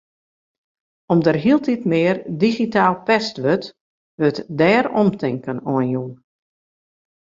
Om't der hieltyd mear digitaal pest wurdt, wurdt dêr omtinken oan jûn.